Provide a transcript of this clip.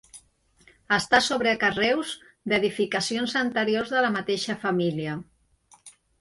Està sobre carreus d'edificacions anteriors de la mateixa família.